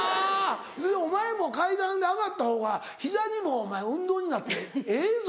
でお前も階段で上がったほうが膝にも運動になってええぞ。